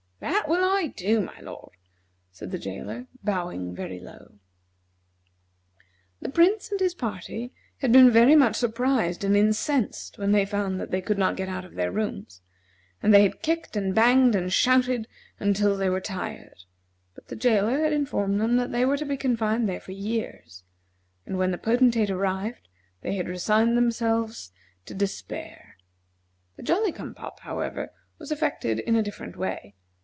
"That will I do, my lord," said the jailer, bowing very low. The Prince and his party had been very much surprised and incensed when they found that they could not get out of their rooms, and they had kicked and banged and shouted until they were tired, but the jailer had informed them that they were to be confined there for years; and when the Potentate arrived they had resigned themselves to despair. The Jolly cum pop, however, was affected in a different way.